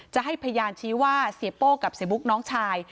จะให้พยานชี้ว่าเสียโป้กับเสียบุ๊กน้องชาย